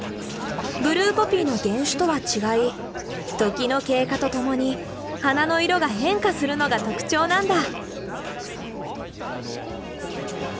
ブルーポピーの原種とは違い時の経過とともに花の色が変化するのが特徴なんだ。